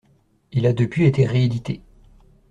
Il a depuis été réédité.